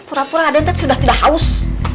pura pura aden teh sudah tidak haus